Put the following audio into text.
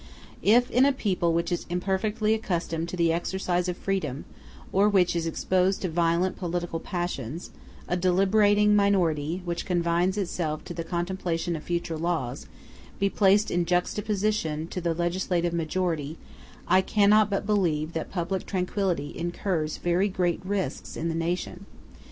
If, in a people which is imperfectly accustomed to the exercise of freedom, or which is exposed to violent political passions, a deliberating minority, which confines itself to the contemplation of future laws, be placed in juxtaposition to the legislative majority, I cannot but believe that public tranquillity incurs very great risks in that nation.